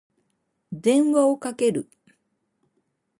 電話をかける。